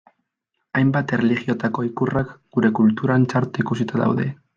Hainbat erlijiotako ikurrak gure kulturan txarto ikusita daude.